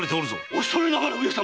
おそれながら上様！